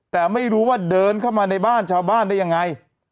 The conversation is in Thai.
แต่ไม่รู้ว่าเดินเข้ามาในบ้านชาวบ้านได้ยังไง